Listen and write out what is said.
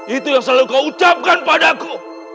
itu yang selalu kau ucapkan pada aku